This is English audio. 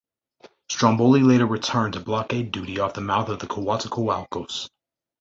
"Stromboli" later returned to blockade duty off the mouth of the Coatzacoalcos.